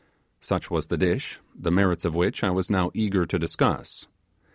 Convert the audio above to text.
Such was the dish, the merits of which I was now eager to discuss.